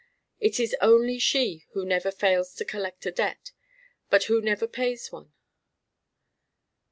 It is only she who never fails to collect a debt but who never pays one.